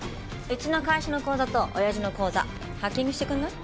うちの会社の口座と親父の口座ハッキングしてくれない？